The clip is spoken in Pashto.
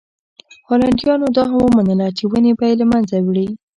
هالنډیانو دا هم ومنله چې ونې به یې له منځه وړي.